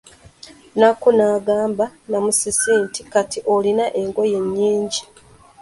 Nakku n'agamba Namusisi nti, kati olina engoye nnyingi.